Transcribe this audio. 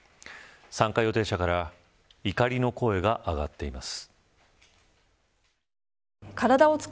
参加予定者から怒りの声が上がっています。